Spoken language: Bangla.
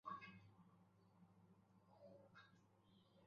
য়ুম-ব্র্তান মধ্য তিব্বতের দ্বুস অঞ্চল এবং ওদ-স্রুং গুজ অঞ্চলে শাসন করেন।